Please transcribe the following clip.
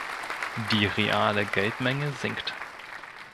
Die reale Geldmenge sinkt.